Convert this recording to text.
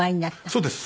そうです。